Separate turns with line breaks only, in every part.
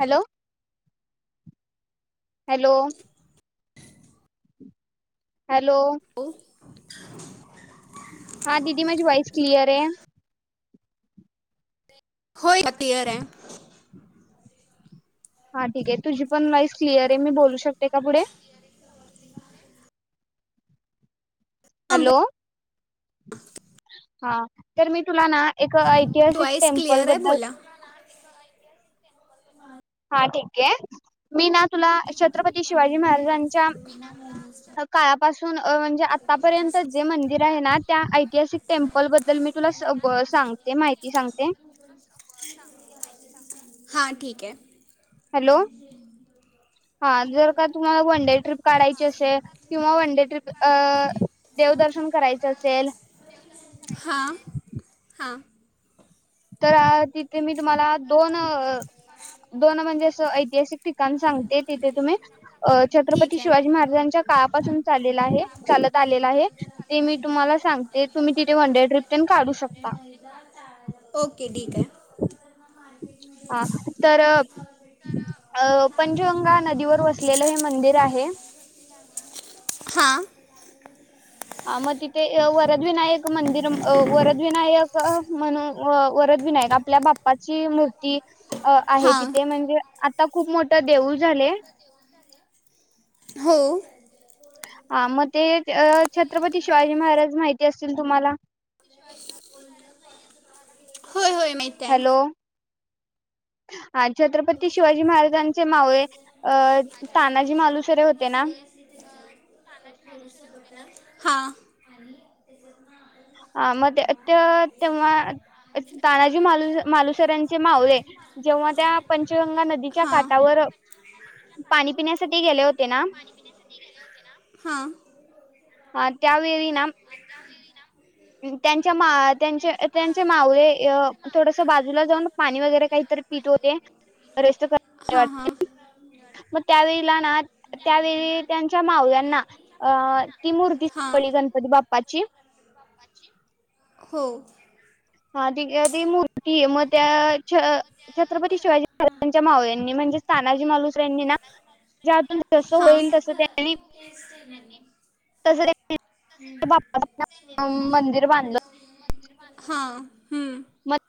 Hello hello hello
[inaudible]
हा दिदी माझे वॉइस क्लियर आहे
होय क्लिअर आहे
हा ठीक आहे तुझी पण वाईस क्लिअर आहे मी बोलू शकते का पुढे
हां
हॅलो हा तर मी तुला ना एक ऐतिहासिक
वॉईस
टेम्पल
क्लिअर आहे
बद्दल
बोला
हा ठीक आहे मी ना तुला छत्रपती शिवाजी महाराजांच्या काळा पासून म्हणजे आतापर्यंत जे मंदिर आहे ना त्या ऐतिहासिक टेम्पल बद्दल मी तुला सगळ सांगते माहिती सांगते
हां ठीक आहे
हॅलो हा जर का तुम्हाला वनडे ट्रीप काढायची असेल किंवा वनडे ट्रीप अ देवदर्शन करायचं असेल
हां हां
तर तिथे मी तुम्हाला दोन दोन म्हणजे अस ऐतिहासिक ठिकाण सांगते तिथे तुम्ही अ छत्रपती
ठीक आहे
शिवाजी महाराजांच्या काळापासून चालला आहे चालत आलेला आहे ते मी तुम्हाला सांगते तुम्ही तिथे वनडे ट्रिप काढू शकता
ओके ठीक आहे
हा तर अ पंचगंगा नदीवर वसलेलं हे मंदर मंदिर आहे
हां
हा मग तिथे वरदविनायक मंदिर वरदविनायक म्हणून वरद विनायक आपल्या बाप्पाची मूर्ती अ आहे
हां
तिथे म्हणजे आता खूप मोठ तर देऊळ झाले.
हो -
आ मग ते अ छत्रपती शिवाजी महाराज माहिती असतील तुम्हाला
महितेय
हॅलो हा छत्रपती शिवाजी महाराजांचे मावळे अ तानाजी मालुसरे होते ना
हा
हा म ते तेव्हा तानाजी माल मालुसरांचे मावले जेव्हा त्या पंचगंगा नद च्या
हां
काटावर पाणी पिण्यासाठी गेले होते ना
हां हां
ह त्यावेळी ना त्यांच्या मा त्यांचे त्यांचे मावळे थोडस बाजूला जाऊन पाणी वगैरे काहीतरी पित होते रेस्ट [unintelligible] मग त्यावेळेला ना त्यावेळी त्यांच्या मावळ्यांना अ ती
हां हां
मूर्तीली [unintelligible] गणपती बाप्पाची
हो
हा ती ती मूर्तीये मग त्या छ छत्रपती शिवाजी महाराजांच्या मावळ्यांनी म्हणजेच तानाजी मालुसरे यांनी ना ज्यातून जस होईल तस त्यांनी [unintelligible] तस त्यांनी बाप्पाचं ना मंदिर बांधलं
[inaudible] हा हम्म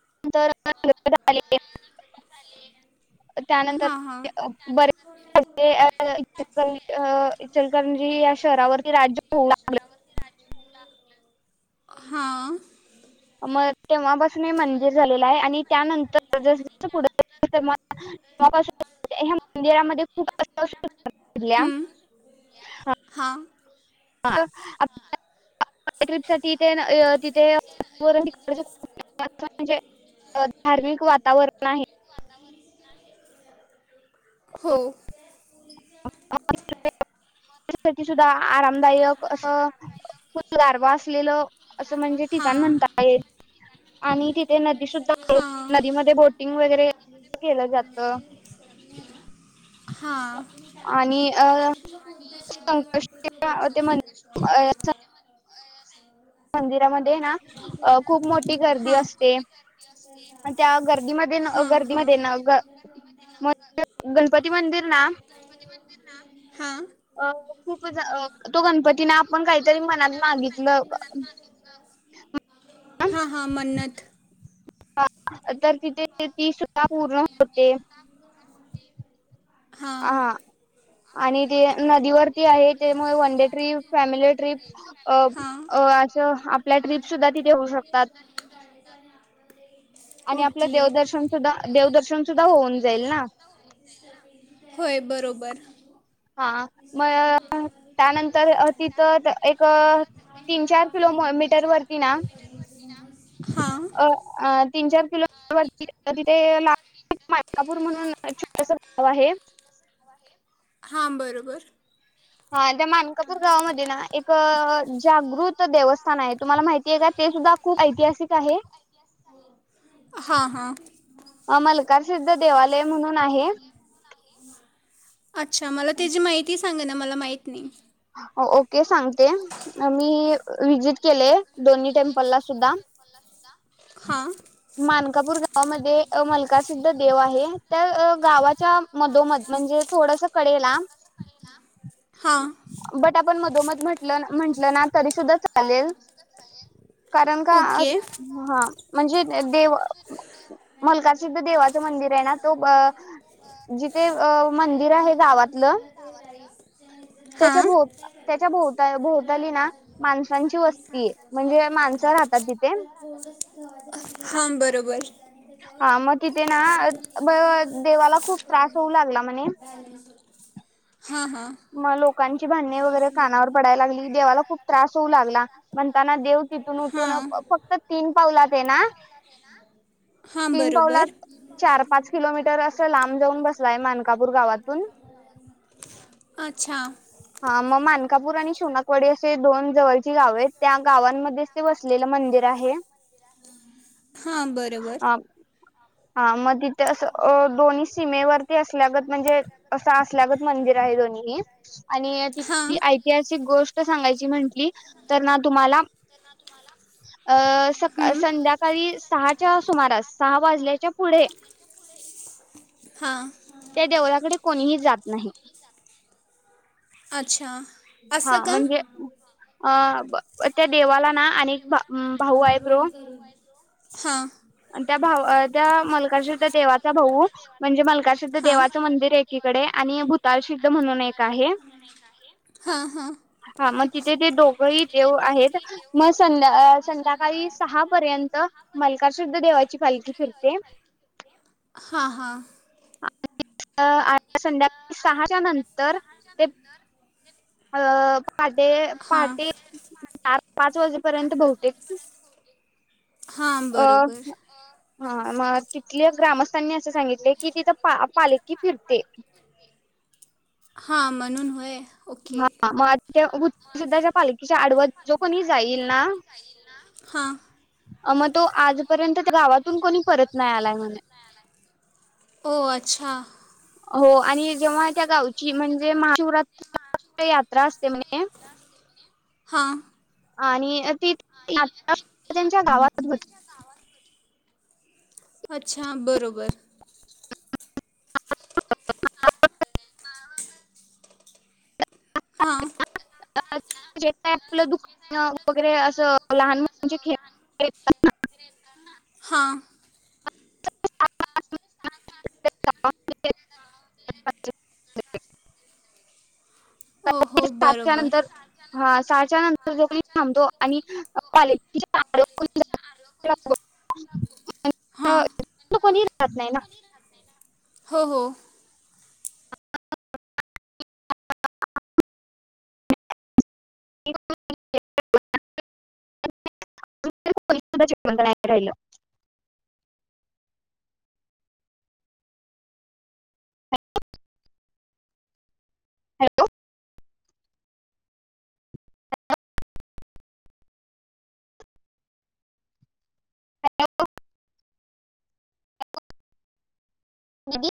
[unintelligible] त्यानंतर
हा हा
बरेच [unintelligible] इचलकरजी या शहरावरती राज्य [unintelligible]
हां
म तेव्हापासून हे मंदिर झालेलं आहे आणि त्यानंतर जसजस [unintelligible] मंदिरामध्ये खूप [unintelligible]
हां
[unintelligible] धार्मिक वातावरण आहे.
हो
[inaudible] सुद्धा आरामदायक असं खूप गारवा असलेलं असं म्हणजे ठिकाण
हा
म्हणता ये आणि तिथे नदी सुद्धा [inaudible]
हा
नदीमध्ये बोटिंग वगैरे [inaudible] केलं जात.
हा
आणि अ [unintelligible] अं, खूप मोठी गर्दी असते
हा
आणि त्या गर्दीमध्ये न- गर्दीमध्ये ना ग-
ह
मग गणपती मंदिर ना
ह हां
अ खूप तो गणपती ना पण काहीतरी मनात मागितलं
हा हा मन्नत
तर तिथे ती सुद्धा पूर्ण होते. हा आणि ते नदीवरती आहे त्यामुळे वनडे ट्रीप फॅमिली ट्रीप अ अ असं आपल्या
हा
ट्रीप सुद्धा तिथे होऊ शकतात. आणि आपलं
ओके
देवदर्शन सुद्धा देवदर्शन सुद्धा होऊन जाईल ना.
होय बरोबर
हा म त्यानंतर तिथं एक तीन चार किलोमीटर वरती ना
हां
अ तीन चार [unintelligible] तिथे [unintelligible] मालकापूर म्हणून छोट गाव आहे.
हां बरोबर
हा त्या मानकापूर गावामध्ये ना एक जागृत देवस्थान आहे. तुम्हाला माहितीय का? ते सुद्धा खूप ऐतिहासिक आहे.
हा हा
[unintelligible] देवाल ते म्हणून आहे.
अच्छा मला त्याजी माहिती सांग ना मला माहित नई.
ओके सांगते मी विजिट केले दोन्ही टेम्पल ला सुद्धा
हा,
मानकापूर गावामध्ये मलका सिद्ध देव आहे. त्या गावाच्या मधोमध म्हणजे थोडस कडेला
हां,
पण मधोम म्हटलं ना, म्हंटलं ना, तरी सुद्धा चालेल. कारण का,
ओके
हा म्हणजे, देव, मुलका सिद्ध देवा जिथे मंदिर आहे. ना तो जिथे मंदिर आहे. गावातलं
हां
त्याच्याभोवताली झाली. ना माणसची वस्ती आहे म्हणजे माणसं राहतात तिथे
[unintelligible] हां बरोबर,
ते ना, देवाला खूप त्रास होऊ लागला म्हणे,
हां हां
मग लोकांची भांडणे वगैरे, कानावर पडाला लागली. देवाला खूप त्रास होऊ लागला. पण पण देव तिथून, उठून
हां
फक्त तीन, पाला ते ना
हां
तीन
बरोबर
पावलात चार, पाच किलोमीटर अस लांब जाऊन बसलाय मानकापूर गावातून,
अच्छा,
हा मग, मानकापूर आणि शिवणकवाडी असे दोन जवळची गाव आहेत. त्या गावांमध्येच ते बसलेलं मंदिर आहे.
हां बरोबर,
अ हा, मग तिथे अस, दोन्ही सीमेवरती अस, असलागत म्हणजे असं असलागत मंदिर आहे. दोन्ही आणि
हां
तेथील ऐतिहासिक गोष्ट सांगायची म्हटली. तर ना तुम्हाला
हं.
संध्याकाळी सहाच्या सुमारास सहा वाजल्या.
हा,
त्या देवळाकडे कोणीही जात नाही.
अच्छा असं
हा,
का
म्हणजे अ पण, त्या देवाला ना, अनेक पा
अ हम, आता रोल करत आहे. ब्रो हा
आणि, त्या भावाच्या, मालकाशी त्या देवाचा भाऊ म्हणजे मलकासिद्ध
हां
देवाचं मंदिर एकीकडे आणि भूताारसिद्ध म्हणून एक आहे.
हां हां
हा मग तिथे, ते दोघही देव आहेत. मग, संध्याकाळी संध्याकाळी सहापर्यंत माहिती, [unintelligible] देवाची पालकी फिरते.
हां हां
आता संध्याकाळी सहाच्या नंतर ते अअ पा ते
हां
पहाटे चार पाच वाजेपर्यंत बहुतेक
हा
अ
बरोबर
हा मग तिथल्या ग्रामस्थांनी असं सांगितलय की तिथं पा पालखी फिरते.
हा म्हणून होय. ओके
हा मग त्या भूतसिद्धाच्या पालखीच्या आडव जो कोणी जाईल ना
हां
मग तो आजपर्यंत त्या गावातून कोणी परत नाय आलाय म्हणे
हो अच्छा
हो आणि जेव्हा त्या गावची म्हणजे महाशिवरात्रीला यात्रा असते म्हणजे
हा
आणि ती [unintelligible] आठ तास त्यांच्या गावातच
अच्छा बरोबर हा
[inaudible] का जे काय आपलं दुकानं वगैरे असं लहान मुलांचे खेळनी [inaudible]
हां
[inaudible]
ओ हो
सातच्या
बरोबर
नंतर हा सात [unintelligible]
हा
कोणी राहत नाही ना.
हो हो
[inaudible] हॅलो [unintelligible] दीदी